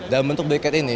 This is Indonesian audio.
dalam bentuk briket ini